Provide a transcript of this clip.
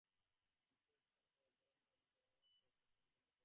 মধ্বভাবে গুড়ং দদ্যাৎ, অভাবপক্ষে তোমাকে নিয়ে চলে।